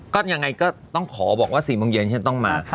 ก็ยังไงก็ต้องขอบอกว่า๔โมงเย็นฉันต้องมา